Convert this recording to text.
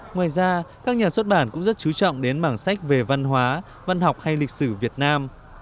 ngoài ra các nhà xuất bản cũng rất chú trọng đến mảng sách về văn hóa văn học hay lịch sử việt nam